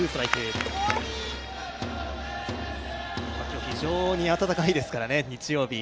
今日は非常に暖かいですからね、日曜日。